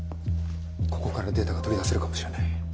ここからデータが取り出せるかもしれない。